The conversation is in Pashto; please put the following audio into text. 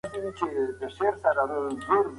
ایا ته غواړې چي په دې تحقیق کې مرسته وکړې؟